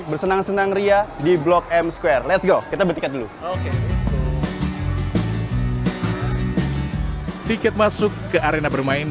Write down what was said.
bersenang senang ria di blok m square let s go kita berpikir dulu tiket masuk ke arena bermain